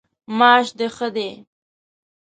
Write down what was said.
معاش د ښه دی؟